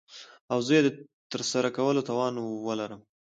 او زه يې دترسره کولو توان وه لرم .